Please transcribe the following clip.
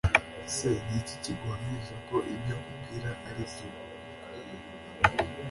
se niki kiguhamiriza ko ibyo akubwira aribyo ubwo